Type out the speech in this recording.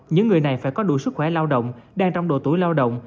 những người này phải có đủ sức khỏe lao động đang trong độ tuổi lao động